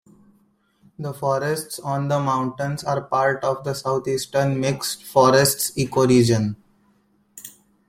The forests on the mountains are part of the Southeastern mixed forests ecoregion.